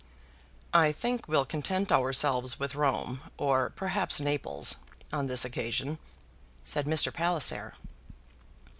"I think we'll content ourselves with Rome, or perhaps Naples, on this occasion," said Mr. Palliser.